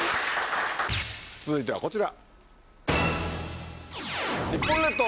続いてはこちら。